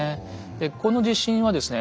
でこの地震はですね